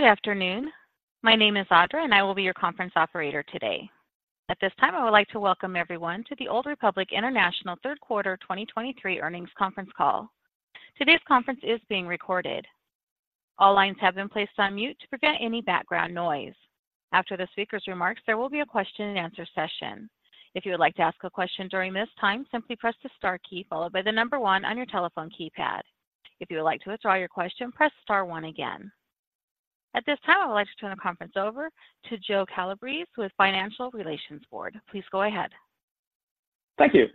Good afternoon. My name is Audra, and I will be your conference operator today. At this time, I would like to welcome everyone to the Old Republic International Q32023 Earnings Conference Call. Today's conference is being recorded. All lines have been placed on mute to prevent any background noise. After the speaker's remarks, there will be a question and answer session. If you would like to ask a question during this time, simply press the star key followed by the number one on your telephone keypad. If you would like to withdraw your question, press star one again. At this time, I would like to turn the conference over to Joe Calabrese with Financial Relations Board. Please go ahead. Thank you.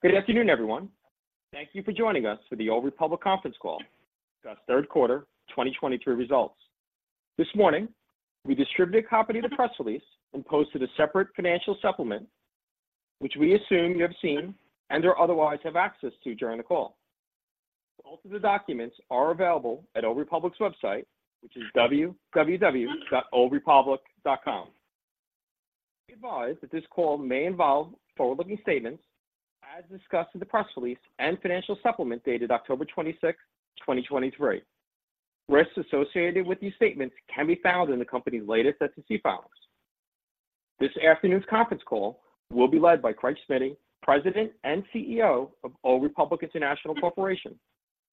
Good afternoon, everyone. Thank you for joining us for the Old Republic Conference Call, our Q3 2023 results. This morning, we distributed a copy of the press release and posted a separate financial supplement, which we assume you have seen and/or otherwise have access to during the call. Both of the documents are available at Old Republic's website, which is www.oldrepublic.com. Be advised that this call may involve forward-looking statements as discussed in the press release and financial supplement dated October 26, 2023. Risks associated with these statements can be found in the company's latest SEC filings. This afternoon's conference call will be led by Craig Smiddy, President and CEO of Old Republic International Corporation,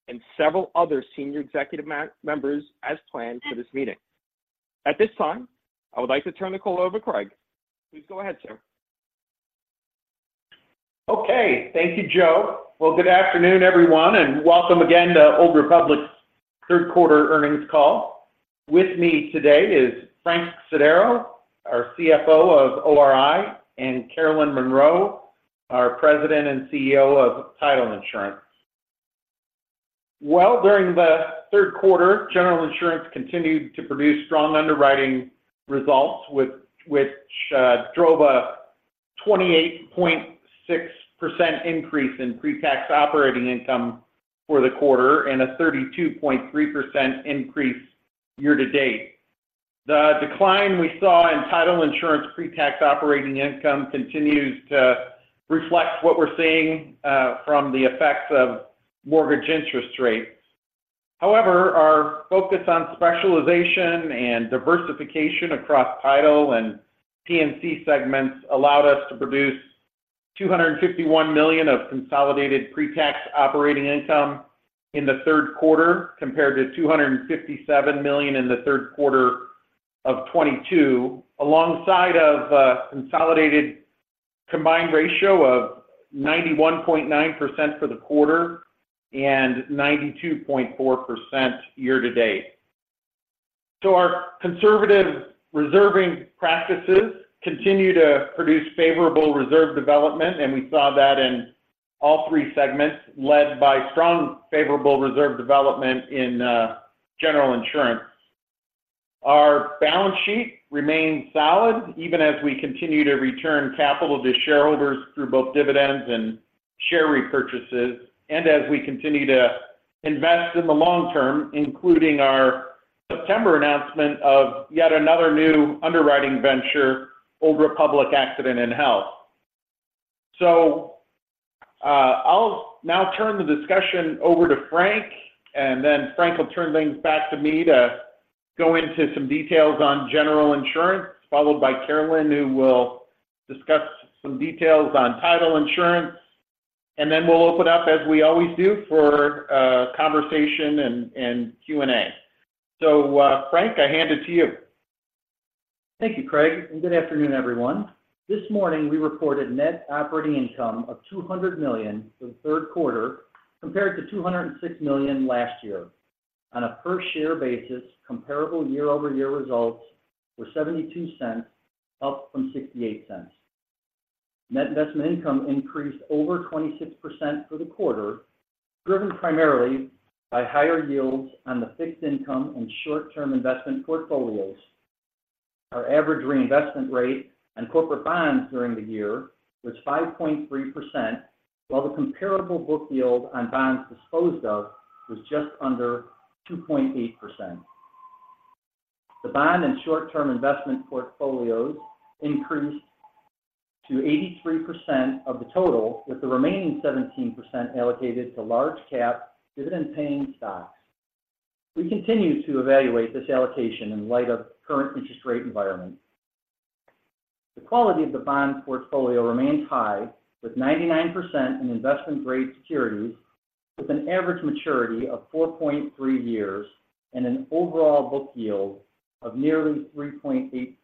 and several other senior executive members as planned for this meeting. At this time, I would like to turn the call over to Craig. Please go ahead, sir. Okay. Thank you, Joe. Well, good afternoon, everyone, and welcome again to Old Republic's Q3 earnings call. With me today is Frank Sodaro, our CFO of ORI, and Carolyn Monroe, our President and CEO of title insurance. Well, during the Q3, General Insurance continued to produce strong underwriting results, which drove a 28.6% increase in pre-tax operating income for the quarter and a 32.3% increase year to date. The decline we saw in title insurance pre-tax operating income continues to reflect what we're seeing from the effects of mortgage interest rates. However, our focus on specialization and diversification across title and P&C segments allowed us to produce $251 million of consolidated pre-tax operating income in the Q3, compared to $257 million in the Q3 of 2022, alongside of a consolidated combined ratio of 91.9% for the quarter and 92.4% year to date. So our conservative reserving practices continue to produce favorable reserve development, and we saw that in all three segments, led by strong favorable reserve development in, General Insurance. Our balance sheet remains solid, even as we continue to return capital to shareholders through both dividends and share repurchases, and as we continue to invest in the long term, including our September announcement of yet another new underwriting venture, Old Republic Accident and Health. I'll now turn the discussion over to Frank, and then Frank will turn things back to me to go into some details on General Insurance, followed by Carolyn, who will discuss some details on Title Insurance. Then we'll open up, as we always do, for conversation and Q&A. Frank, I hand it to you. Thank you, Craig, and good afternoon, everyone. This morning, we reported net operating income of $200 million for the Q3, compared to $206 million last year. On a per-share basis, comparable year-over-year results were $0.72, up from $0.68. Net investment income increased over 26% for the quarter, driven primarily by higher yields on the fixed income and short-term investment portfolios. Our average reinvestment rate on corporate bonds during the year was 5.3%, while the comparable book yield on bonds disposed of was just under 2.8%. The bond and short-term investment portfolios increased to 83% of the total, with the remaining 17% allocated to large cap, dividend-paying stocks. We continue to evaluate this allocation in light of current interest rate environment. The quality of the bond portfolio remains high, with 99% in investment-grade securities, with an average maturity of 4.3 years and an overall book yield of nearly 3.8%,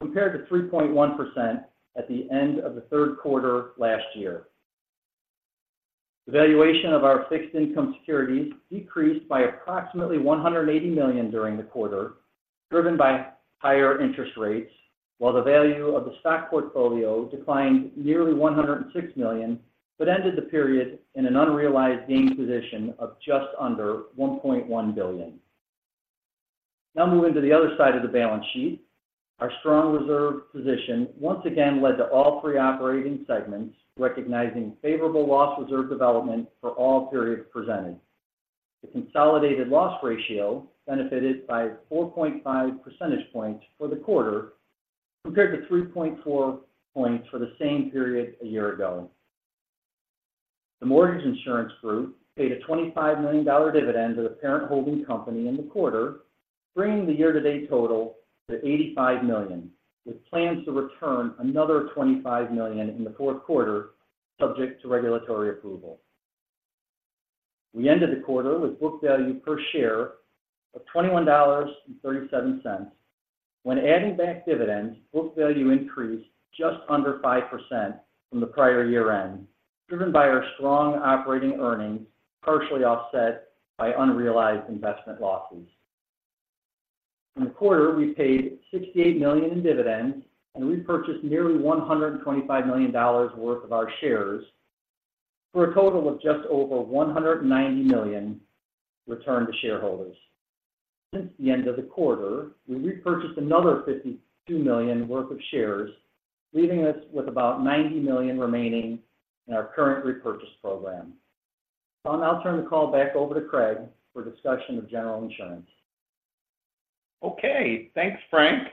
compared to 3.1% at the end of the Q3 last year. The valuation of our fixed income securities decreased by approximately $180 million during the quarter, driven by higher interest rates, while the value of the stock portfolio declined nearly $106 million, but ended the period in an unrealized gain position of just under $1.1 billion. Now moving to the other side of the balance sheet, our strong reserve position once again led to all three operating segments, recognizing favorable loss reserve development for all periods presented. The consolidated loss ratio benefited by 4.5 percentage points for the quarter, compared to 3.4 points for the same period a year ago. The mortgage insurance group paid a $25 million dividend to the parent holding company in the quarter, bringing the year-to-date total to $85 million, with plans to return another $25 million in the Q4, subject to regulatory approval. We ended the quarter with book value per share of $21.37. When adding back dividends, book value increased just under 5% from the prior year-end, driven by our strong operating earnings, partially offset by unrealized investment losses. In the quarter, we paid $68 million in dividends and repurchased nearly $125 million worth of our shares, for a total of just over $190 million returned to shareholders. Since the end of the quarter, we repurchased another $52 million worth of shares, leaving us with about $90 million remaining in our current repurchase program. I'll now turn the call back over to Craig for discussion of general insurance. Okay, thanks, Frank.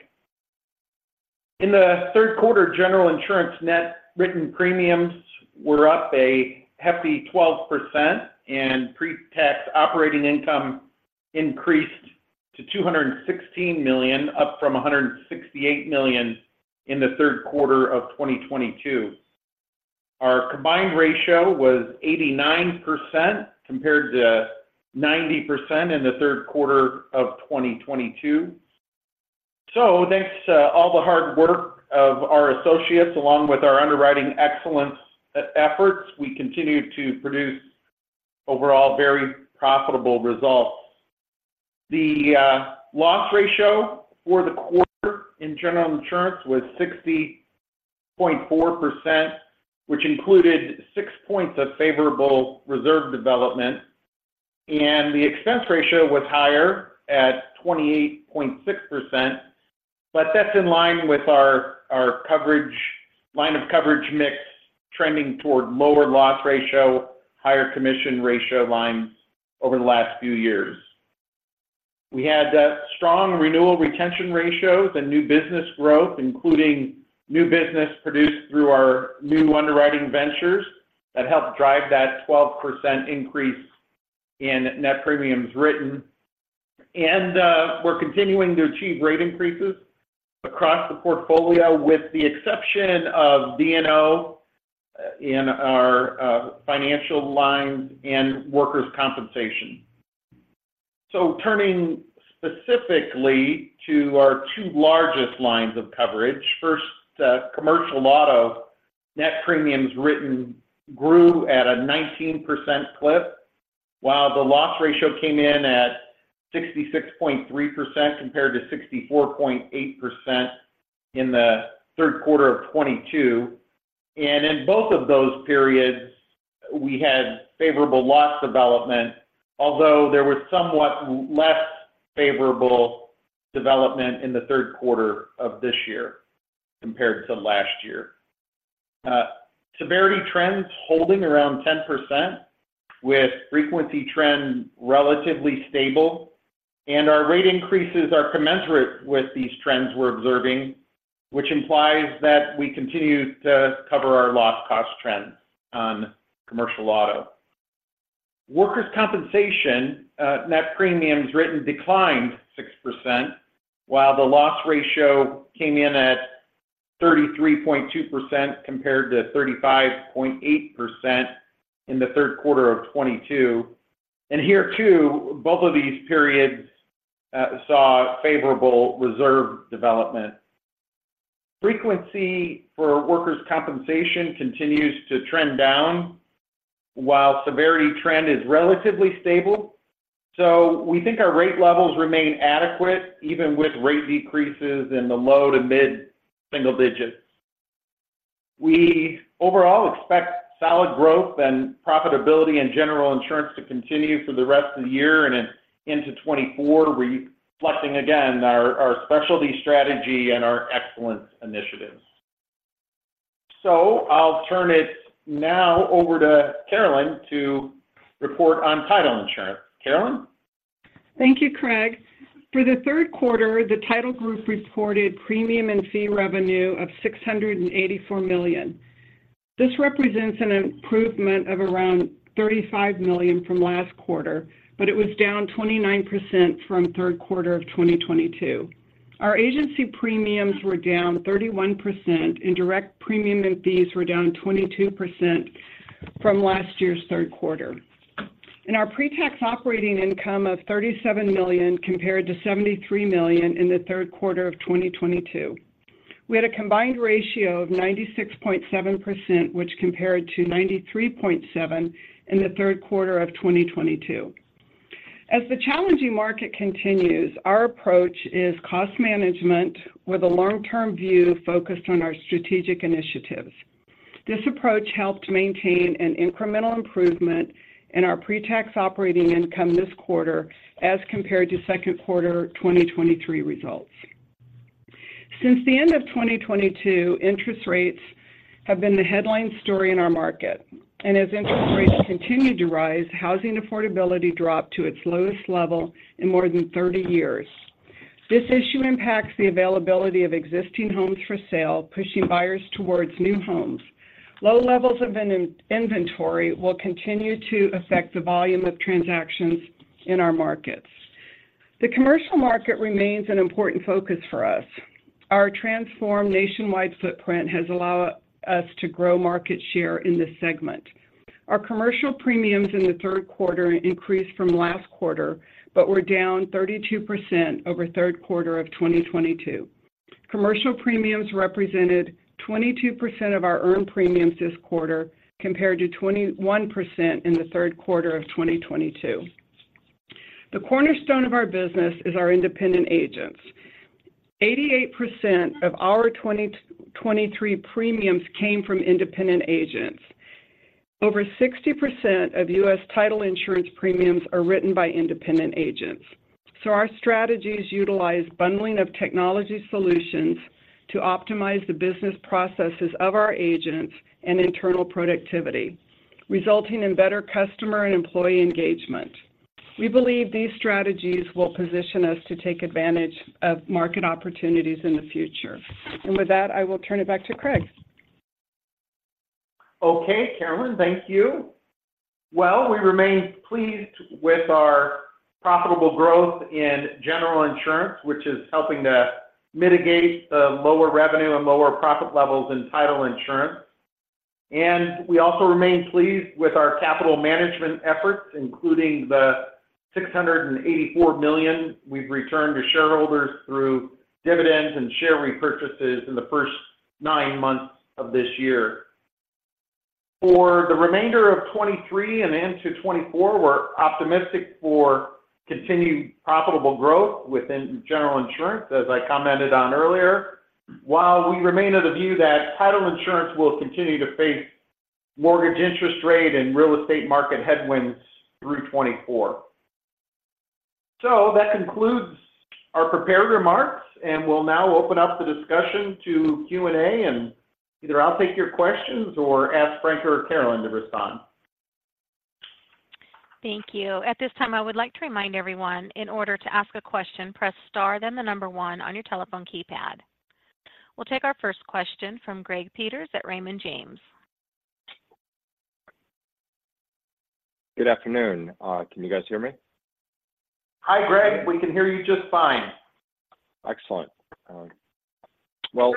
In the Q3, general insurance net written premiums were up a hefty 12%, and pre-tax operating income increased to $216 million, up from $168 million in the Q3 of 2022. Our combined ratio was 89%, compared to 90% in the Q3 of 2022. Thanks to all the hard work of our associates, along with our underwriting excellence efforts, we continue to produce overall very profitable results. The loss ratio for the quarter in general insurance was 60.4%, which included 6 percentage points of favorable reserve development, and the expense ratio was higher at 28.6%. That's in line with our coverage mix, trending toward lower loss ratio, higher commission ratio lines over the last few years. We had strong renewal retention ratios and new business growth, including new business produced through our new underwriting ventures that helped drive that 12% increase in net premiums written. We're continuing to achieve rate increases across the portfolio, with the exception of D&O in our financial lines and workers' compensation. Turning specifically to our two largest lines of coverage. First, commercial auto net premiums written grew at a 19% clip, while the loss ratio came in at 66.3%, compared to 64.8% in the Q3 of 2022. In both of those periods, we had favorable loss development, although there was somewhat less favorable development in the Q3 of this year compared to last year. Severity trends holding around 10%, with frequency trend relatively stable, and our rate increases are commensurate with these trends we're observing, which implies that we continue to cover our loss cost trends on commercial auto. Workers' compensation, net premiums written declined 6%, while the loss ratio came in at 33.2%, compared to 35.8% in the Q3 of 2022. Here, too, both of these periods saw favorable reserve development. Frequency for workers' compensation continues to trend down, while severity trend is relatively stable. We think our rate levels remain adequate, even with rate decreases in the low- to mid-single digits. We overall expect solid growth and profitability in general insurance to continue for the rest of the year and into 2024, reflecting again, our specialty strategy and our excellence initiatives. I'll turn it now over to Carolyn to report on title insurance. Carolyn? Thank you, Craig. For the Q3, the title group reported premium and fee revenue of $684 million. This represents an improvement of around $35 million from last quarter, but it was down 29% from Q3 of 2022. Our agency premiums were down 31%, and direct premium and fees were down 22% from last year's Q3. And our pre-tax operating income of $37 million compared to $73 million in the Q3 of 2022. We had a combined ratio of 96.7%, which compared to 93.7% in the Q3 of 2022. As the challenging market continues, our approach is cost management with a long-term view focused on our strategic initiatives. This approach helped maintain an incremental improvement in our pre-tax operating income this quarter as compared to Q2 2023 results. Since the end of 2022, interest rates have been the headline story in our market, and as interest rates continued to rise, housing affordability dropped to its lowest level in more than 30 years. This issue impacts the availability of existing homes for sale, pushing buyers towards new homes. Low levels of inventory will continue to affect the volume of transactions in our markets. The commercial market remains an important focus for us. Our transformed nationwide footprint has allowed us to grow market share in this segment. Our commercial premiums in the Q3 increased from last quarter, but were down 32% over Q3 of 2022. Commercial premiums represented 22% of our earned premiums this quarter, compared to 21% in the Q3 of 2022. The cornerstone of our business is our independent agents. 88% of our 2023 premiums came from independent agents. Over 60% of U.S. Title Insurance premiums are written by independent agents. So our strategies utilize bundling of technology solutions to optimize the business processes of our agents and internal productivity, resulting in better customer and employee engagement. We believe these strategies will position us to take advantage of market opportunities in the future. And with that, I will turn it back to Craig. Okay, Carolyn, thank you. Well, we remain pleased with our profitable growth in general insurance, which is helping to mitigate the lower revenue and lower profit levels in title insurance. We also remain pleased with our capital management efforts, including the $684 million we've returned to shareholders through dividends and share repurchases in the first nine months of this year. For the remainder of 2023 and into 2024, we're optimistic for continued profitable growth within general insurance, as I commented on earlier, while we remain of the view that title insurance will continue to face mortgage interest rate and real estate market headwinds through 2024. That concludes our prepared remarks, and we'll now open up the discussion to Q&A, and either I'll take your questions or ask Frank or Carolyn to respond. Thank you. At this time, I would like to remind everyone, in order to ask a question, press Star, then the number one on your telephone keypad. We'll take our first question from Greg Peters at Raymond James. Good afternoon. Can you guys hear me? Hi, Greg. We can hear you just fine. Excellent. Well,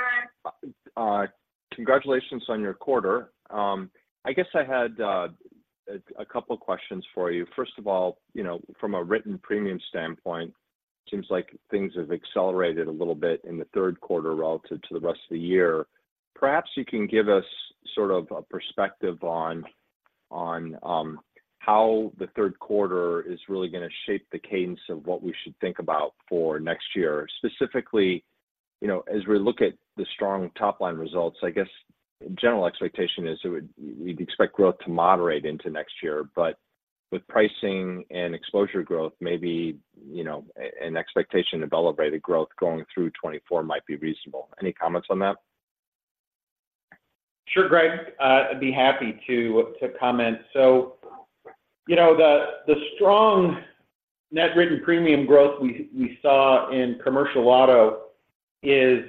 congratulations on your quarter. I guess I had a couple of questions for you. First of all, you know, from a written premium standpoint, it seems like things have accelerated a little bit in the Q3 relative to the rest of the year. Perhaps you can give us sort of a perspective on how the Q3 is really going to shape the cadence of what we should think about for next year. Specifically, you know, as we look at the strong top-line results, I guess, the general expectation is that we'd expect growth to moderate into next year, but with pricing and exposure growth, maybe, you know, an expectation of elevated growth going through 2024 might be reasonable. Any comments on that? Sure, Greg, I'd be happy to comment. You know, the strong net written premium growth we saw in commercial auto is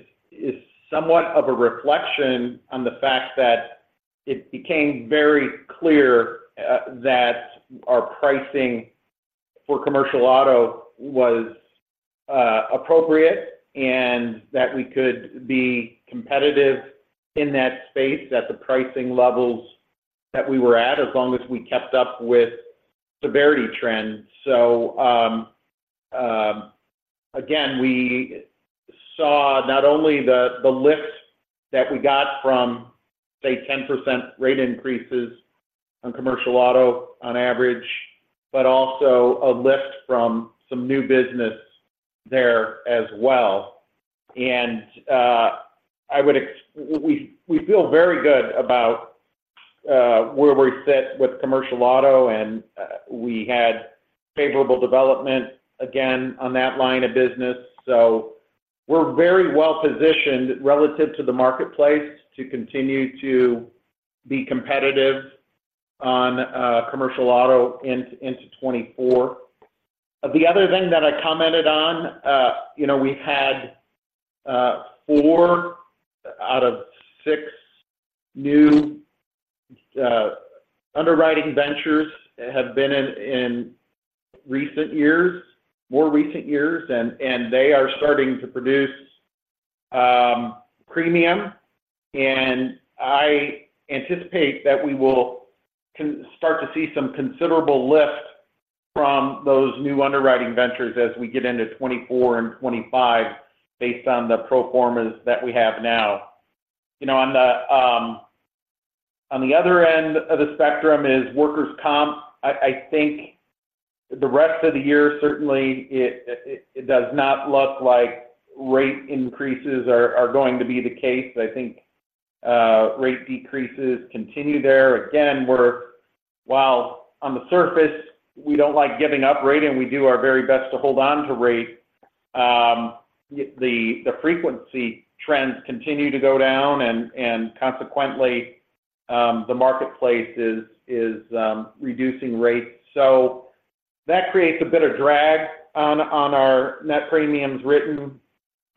somewhat of a reflection on the fact that it became very clear that our pricing for commercial auto was appropriate and that we could be competitive in that space at the pricing levels that we were at, as long as we kept up with severity trends. Again, we saw not only the lift that we got from, say, 10% rate increases on commercial auto on average, but also a lift from some new business there as well. I would ex-- we feel very good about where we sit with commercial auto, and we had favorable development again on that line of business. So we're very well-positioned relative to the marketplace to continue to be competitive on commercial auto into 2024. The other thing that I commented on, you know, we've had 4 out of 6 new underwriting ventures have been in recent years, more recent years, and they are starting to produce premium. And I anticipate that we will start to see some considerable lift from those new underwriting ventures as we get into 2024 and 2025, based on the pro formas that we have now. You know, on the other end of the spectrum is workers' comp. I think the rest of the year, certainly it does not look like rate increases are going to be the case. I think rate decreases continue there. Again, while on the surface, we don't like giving up rate, and we do our very best to hold on to rate, the frequency trends continue to go down, and consequently, the marketplace is reducing rates. That creates a bit of drag on our net premiums written,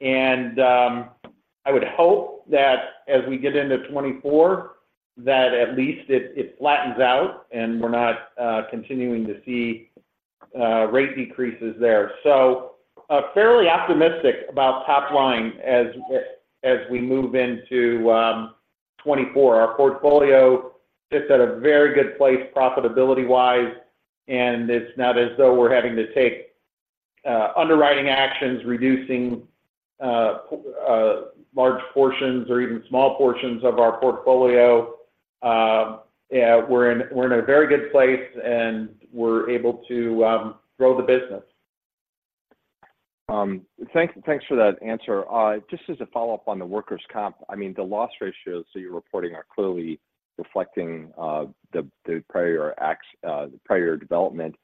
and I would hope that as we get into 2024, at least it flattens out and we're not continuing to see rate decreases there. Fairly optimistic about top line as we move into 2024. Our portfolio sits at a very good place profitability-wise, and it's not as though we're having to take underwriting actions, reducing large portions or even small portions of our portfolio. Yeah, we're in a very good place, and we're able to grow the business. Thanks for that answer. Just as a follow-up on the workers' comp, I mean, the loss ratios that you're reporting are clearly reflecting the prior development.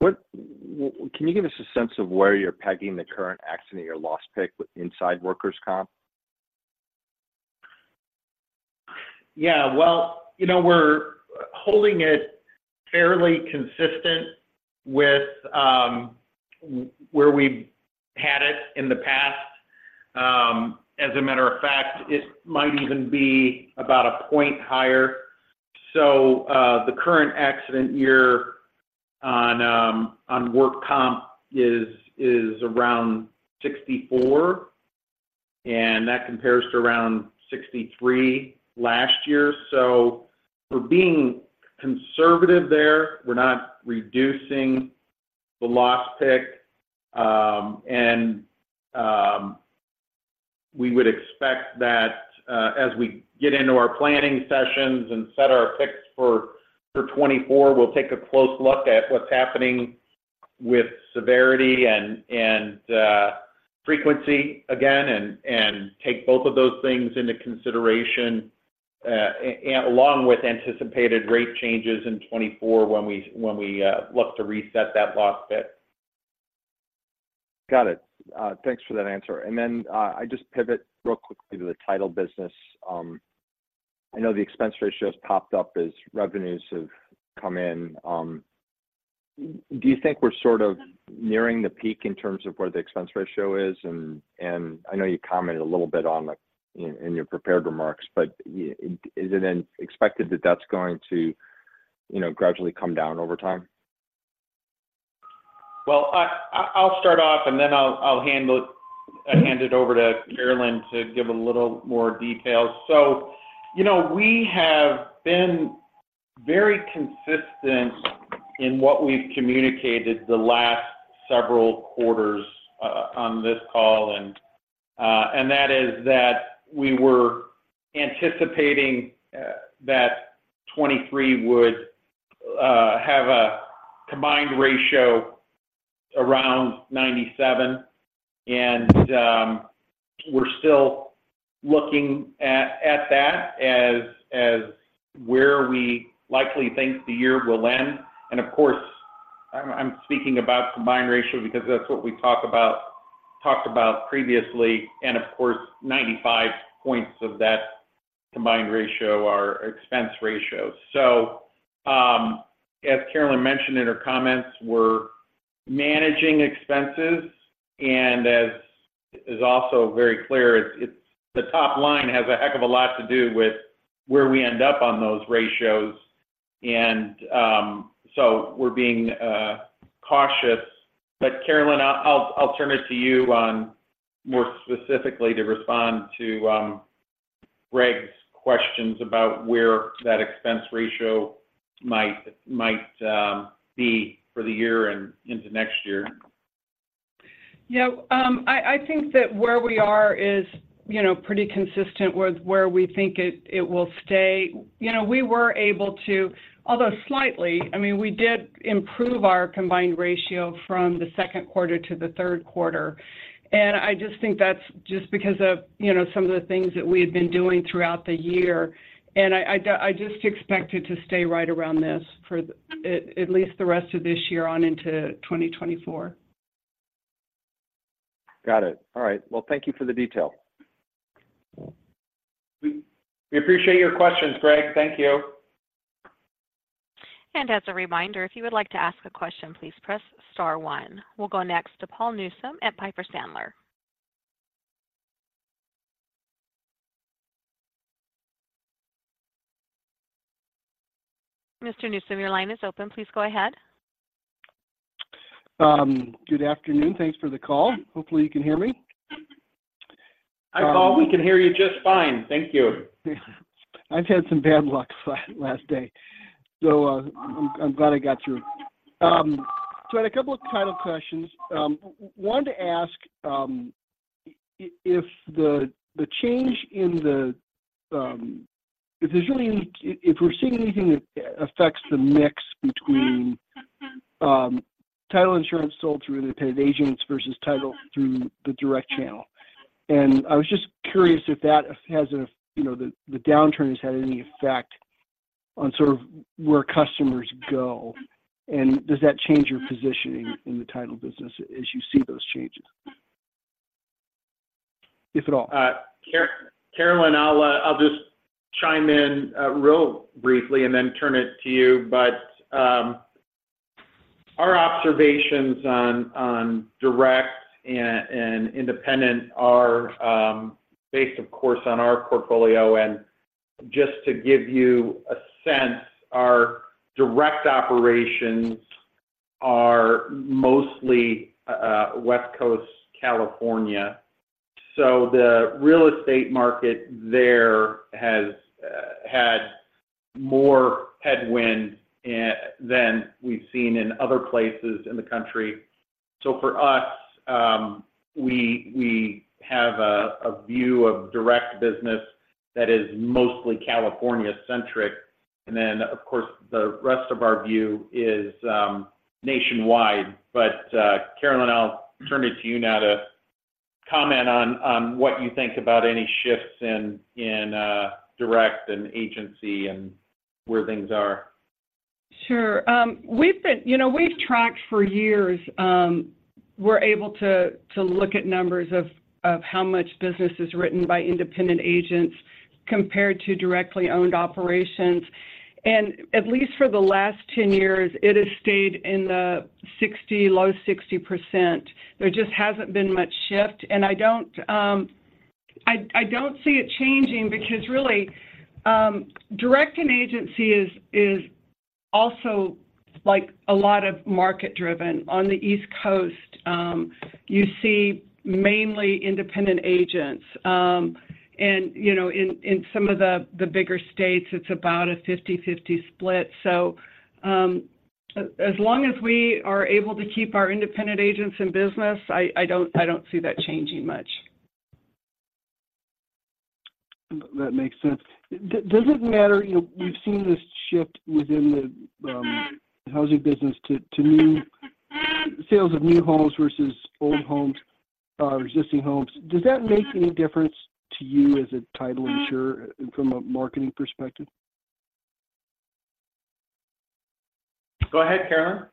Can you give us a sense of where you're pegging the current accident or loss pick with inside workers' comp? Yeah, well, you know, we're holding it fairly consistent with where we've had it in the past. As a matter of fact, it might even be about a point higher. The current accident year on work comp is around 64, and that compares to around 63 last year. We're being conservative there. We're not reducing the loss pick. We would expect that as we get into our planning sessions and set our picks for 2024, we'll take a close look at what's happening with severity and frequency again, and take both of those things into consideration, along with anticipated rate changes in 2024 when we look to reset that loss pick. Got it. Thanks for that answer. And then I just pivot real quickly to the title business. I know the expense ratio has popped up as revenues have come in. Do you think we're sort of nearing the peak in terms of where the expense ratio is? And I know you commented a little bit on that in your prepared remarks, but is it then expected that that's going to, you know, gradually come down over time? Well, I'll start off, and then I'll hand it over to Carolyn to give a little more detail. So, you know, we have been very consistent in what we've communicated the last several quarters on this call, and that is that we were anticipating that 2023 would have a combined ratio around 97. And we're still looking at that as where we likely think the year will end. And of course, I'm speaking about combined ratio because that's what we talk about, talked about previously, and of course, 95 points of that combined ratio are expense ratios. So, as Carolyn mentioned in her comments, we're managing expenses, and as is also very clear, it's the top line has a heck of a lot to do with where we end up on those ratios. So we're being cautious. But Carolyn, I'll turn it to you on more specifically to respond to Greg's questions about where that expense ratio might be for the year and into next year. Yeah, I think that where we are is, you know, pretty consistent with where we think it will stay. You know, we were able to, although slightly, I mean, we did improve our combined ratio from the Q2 to the Q3. And I just think that's just because of, you know, some of the things that we had been doing throughout the year. And I just expect it to stay right around this for at least the rest of this year on into 2024. Got it. All right. Well, thank you for the detail. We appreciate your questions, Greg. Thank you. As a reminder, if you would like to ask a question, please press star one. We'll go next to Paul Newsom at Piper Sandler. Mr. Newsom, your line is open. Please go ahead. Good afternoon. Thanks for the call. Hopefully, you can hear me. Hi, Paul. We can hear you just fine. Thank you. I've had some bad luck last day, so I'm glad I got through. I had a couple of title questions. I wanted to ask if the change in the, if there's really any, if we're seeing anything that affects the mix between title insurance sold through independent agents versus title through the direct channel. I was just curious if that has a, you know, the downturn has had any effect on sort of where customers go, and does that change your positioning in the title business as you see those changes? Carolyn, I'll just chime in real briefly and then turn it to you. But our observations on direct and independent are based, of course, on our portfolio. And just to give you a sense, our direct operations are mostly West Coast, California. So the real estate market there has had more headwind than we've seen in other places in the country. So for us, we have a view of direct business that is mostly California-centric, and then, of course, the rest of our view is nationwide. But Carolyn, I'll turn it to you now to comment on what you think about any shifts in direct and agency and where things are. Sure. We've been... You know, we've tracked for years, we're able to look at numbers of how much business is written by independent agents compared to directly owned operations. At least for the last 10 years, it has stayed in the 60, low 60% range. There just hasn't been much shift, and I don't, I don't see it changing because really, direct and agency is also, like, a lot of market-driven. On the East Coast, you see mainly independent agents. You know, in some of the bigger states, it's about a 50/50 split. As long as we are able to keep our independent agents in business, I don't, I don't see that changing much. That makes sense. Does it matter, you know, we've seen this shift within the housing business to sales of new homes versus old homes, or existing homes. Does that make any difference to you as a title insurer from a marketing perspective? Go ahead, Carolyn.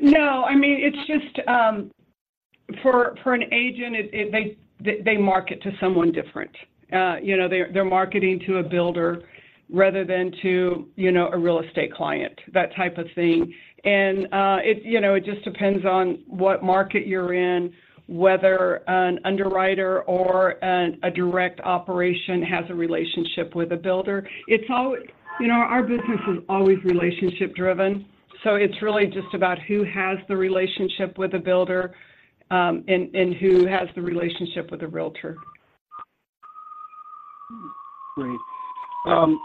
No. I mean, it's just for an agent, they market to someone different. You know, they're marketing to a builder rather than to a real estate client, that type of thing. And it just depends on what market you're in, whether an underwriter or a direct operation has a relationship with a builder. It's always. You know, our business is always relationship-driven, so it's really just about who has the relationship with the builder, and who has the relationship with the realtor. Great. It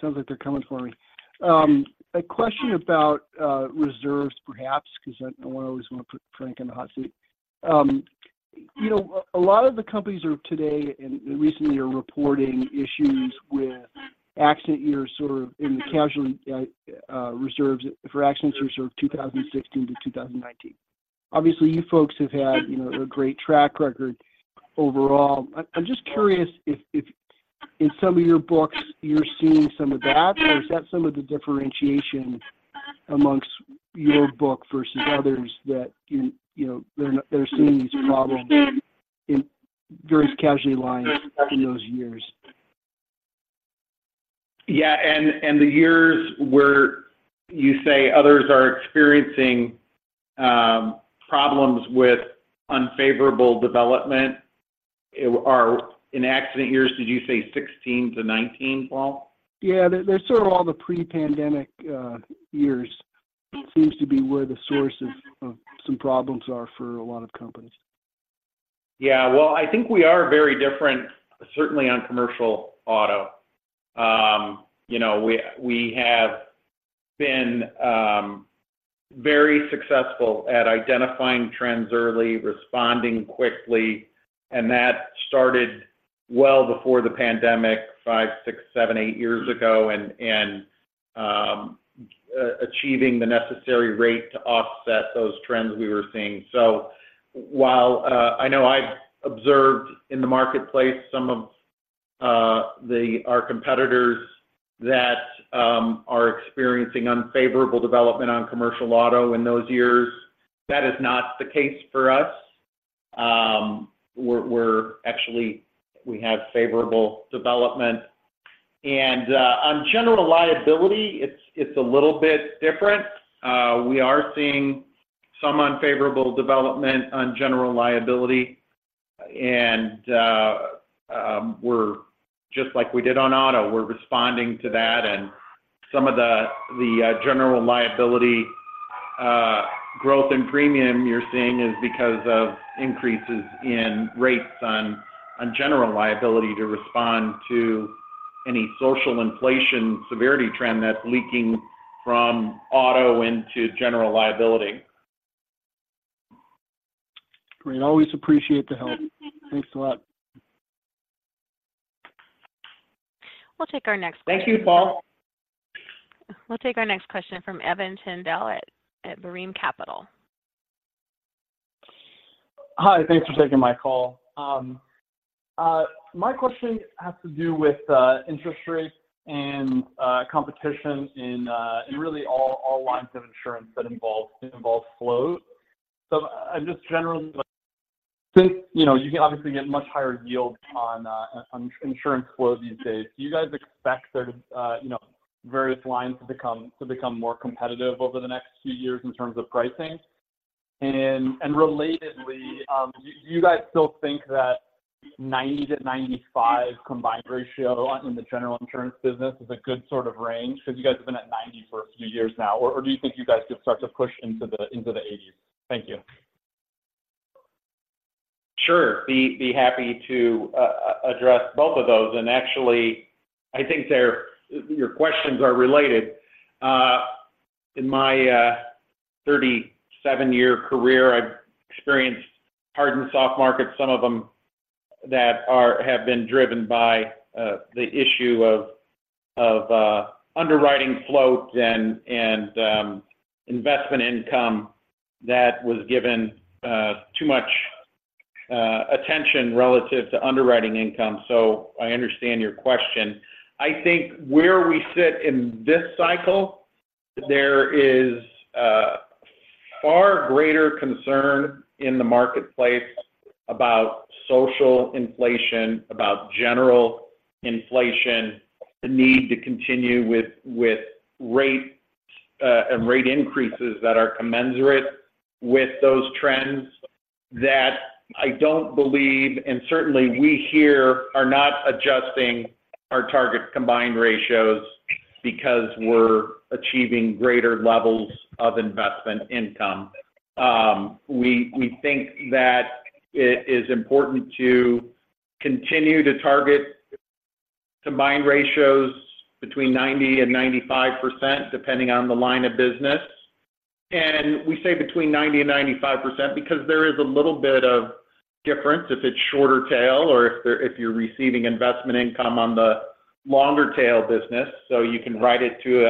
sounds like they're coming for me. A question about reserves, perhaps, 'cause I don't always want to put Frank in the hot seat. You know, a lot of the companies today, and recently, are reporting issues with accident years, sort of in the casualty reserves for accident years 2016 to 2019. Obviously, you folks have had, you know, a great track record overall. I, I'm just curious if, if in some of your books you're seeing some of that, or is that some of the differentiation amongst your book versus others that, you know, they're, they're seeing these problems in various casualty lines in those years? Yeah, and the years where you say others are experiencing problems with unfavorable development are in accident years, did you say 16-19, Paul? Yeah. They're, they're sort of all the pre-pandemic years. It seems to be where the source of, of some problems are for a lot of companies. Yeah. Well, I think we are very different, certainly on Commercial Auto. You know, we, we have been very successful at identifying trends early, responding quickly, and that started well before the pandemic, 5, 6, 7, 8 years ago, and achieving the necessary rate to offset those trends we were seeing. So while I know I've observed in the marketplace some of our competitors that are experiencing unfavorable development on commercial auto in those years, that is not the case for us. We're, we're actually we have favorable development. And on general liability, it's a little bit different. We are seeing some unfavorable development on general liability, and we're just like we did on auto, we're responding to that. Some of the general liability growth in premium you're seeing is because of increases in rates on general liability to respond to any social inflation severity trend that's leaking from auto into general liability. Great. Always appreciate the help. Thanks a lot. We'll take our next question- Thank you, Paul. We'll take our next question from Evan Tindall at Balyasny Asset Management. Hi, thanks for taking my call. My question has to do with interest rates and competition in really all lines of insurance that involve float. I'm just generally, since, you know, you can obviously get much higher yields on insurance float these days, do you guys expect there to, you know, various lines to become more competitive over the next few years in terms of pricing? Relatedly, do you guys still think that 90-95 combined ratio in the general insurance business is a good sort of range? Because you guys have been at 90 for a few years now, or do you think you guys just start to push into the 80s? Thank you. Sure. Be happy to address both of those. Actually, I think your questions are related. In my 37-year career, I've experienced hard and soft markets, some of them that have been driven by the issue of underwriting float and investment income that was given too much attention relative to underwriting income. I understand your question. I think where we sit in this cycle, there is a far greater concern in the marketplace about social inflation, about general inflation, the need to continue with rate and rate increases that are commensurate with those trends. I don't believe, and certainly we here are not adjusting our target combined ratios because we're achieving greater levels of investment income. We think that it is important to continue to target combined ratios between 90%-95%, depending on the line of business. We say between 90%-95% because there is a little bit of difference if it's shorter tail or if you're receiving investment income on the longer tail business. So you can ride it to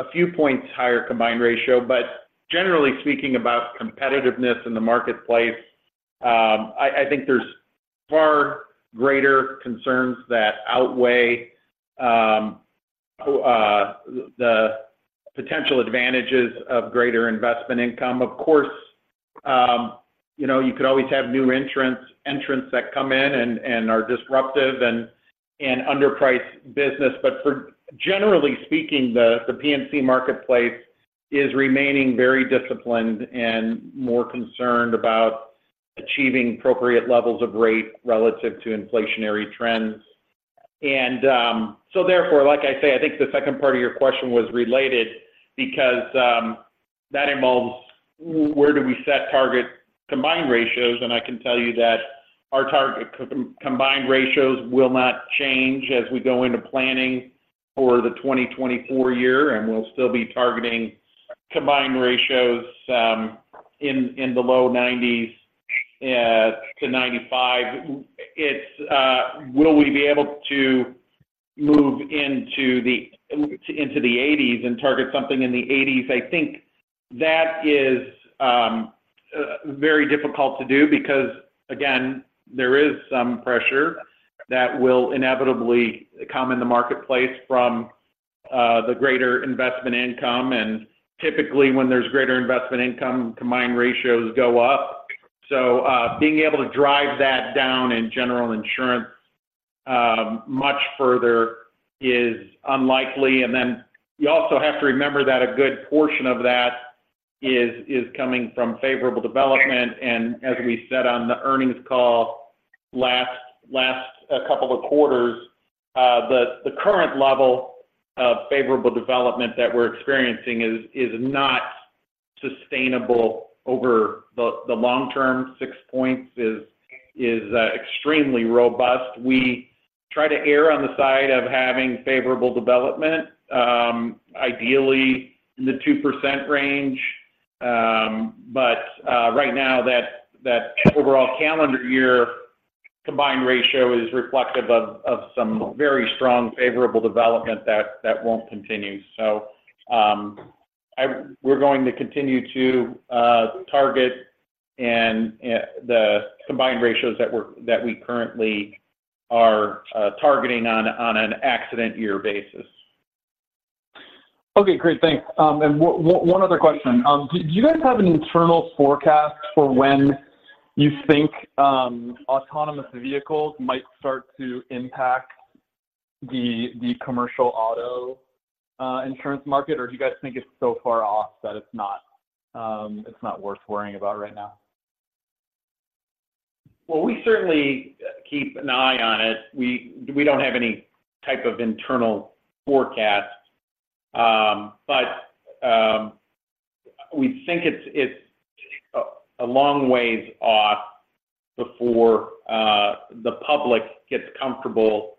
a few points higher combined ratio. But generally speaking, about competitiveness in the marketplace, I think there's far greater concerns that outweigh the potential advantages of greater investment income. Of course, you know, you could always have new entrants, entrants that come in and are disruptive and underpriced business. But generally speaking, the P&C marketplace is remaining very disciplined and more concerned about achieving appropriate levels of rate relative to inflationary trends. So therefore, like I say, I think the second part of your question was related because that involves where do we set target combined ratios, and I can tell you that our target combined ratios will not change as we go into planning for the 2024 year, and we'll still be targeting combined ratios in the low 90s to 95. It's will we be able to move into the eighties and target something in the 80s? I think that is very difficult to do because, again, there is some pressure that will inevitably come in the marketplace from the greater investment income, and typically when there's greater investment income, combined ratios go up. So being able to drive that down in general insurance much further is unlikely. You also have to remember that a good portion of that is coming from favorable development. As we said on the earnings call last couple of quarters, the current level of favorable development that we're experiencing is not sustainable over the long term. Six points is extremely robust. We try to err on the side of having favorable development, ideally in the 2% range. Right now, that overall calendar year combined ratio is reflective of some very strong favorable development that won't continue. I-- we're going to continue to target and the combined ratios that we currently are targeting on an accident year basis. Okay, great. Thanks. And one other question. Do you guys have an internal forecast for when you think autonomous vehicles might start to impact the commercial auto insurance market? Or do you guys think it's so far off that it's not worth worrying about right now? Well, we certainly keep an eye on it. We don't have any type of internal forecast, but we think it's a long ways off before the public gets comfortable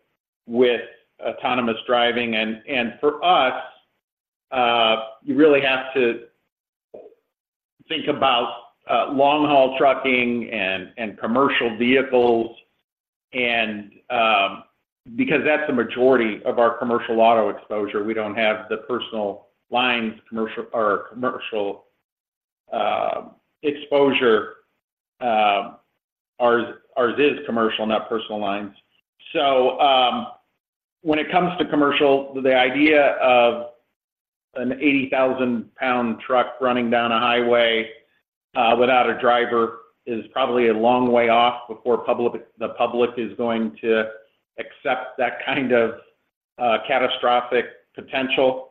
with autonomous driving. For us, you really have to think about long-haul trucking and commercial vehicles, because that's the majority of our commercial auto exposure. We don't have the personal lines, commercial or commercial exposure. Ours is commercial, not personal lines. So, when it comes to commercial, the idea of an 80,000-pound truck running down a highway without a driver is probably a long way off before the public is going to accept that kind of catastrophic potential.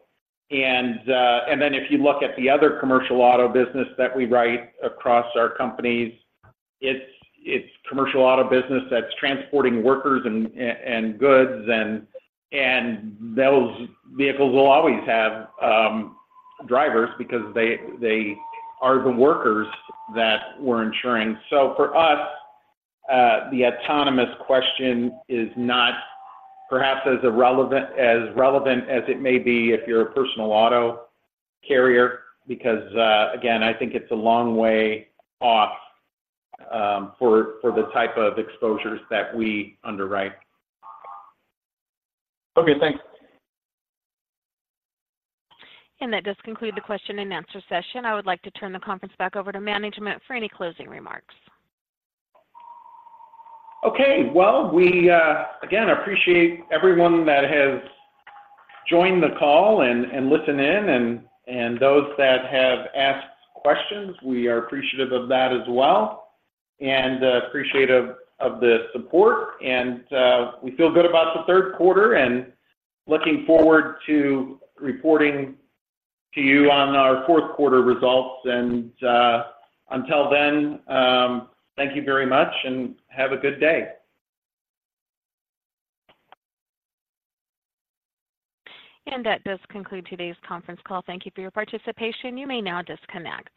If you look at the other commercial auto business that we write across our companies, it's commercial auto business that's transporting workers and goods, and those vehicles will always have drivers because they are the workers that we're insuring. For us, the autonomous question is not perhaps as relevant as it may be if you're a personal auto carrier, because, again, I think it's a long way off for the type of exposures that we underwrite. Okay, thanks. That does conclude the question and answer session. I would like to turn the conference back over to management for any closing remarks. Okay. Well, we again appreciate everyone that has joined the call and listened in, and those that have asked questions, we are appreciative of that as well, and appreciative of the support. And we feel good about the Q3 and looking forward to reporting to you on our Q4 results. And until then, thank you very much and have a good day. That does conclude today's conference call. Thank you for your participation. You may now disconnect.